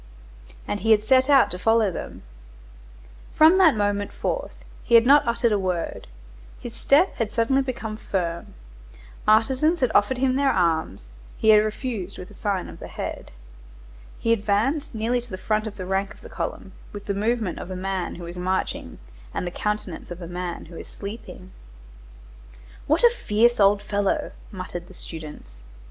And he had set out to follow them. From that moment forth he had not uttered a word. His step had suddenly become firm; artisans had offered him their arms; he had refused with a sign of the head. He advanced nearly to the front rank of the column, with the movement of a man who is marching and the countenance of a man who is sleeping. "What a fierce old fellow!" muttered the students.